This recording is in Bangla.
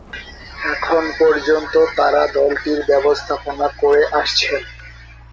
এখন পর্যন্ত তারা দলটির ব্যবস্থাপনা করে আসছেন।